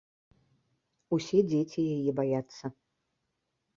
Усе дзеці яе баяцца.